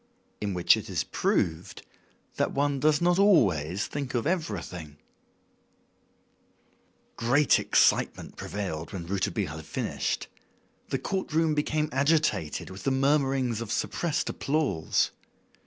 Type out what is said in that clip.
In Which It Is Proved That One Does Not Always Think of Everything Great excitement prevailed when Rouletabille had finished. The court room became agitated with the murmurings of suppressed applause.